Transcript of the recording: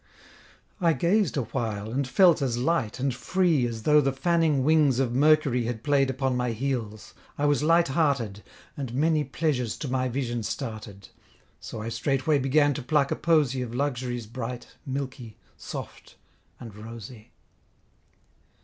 I gazed awhile, and felt as light, and free As though the fanning wings of Mercury Had played upon my heels: I was light hearted, And many pleasures to my vision started; So I straightway began to pluck a posey Of luxuries bright, milky, soft and rosy.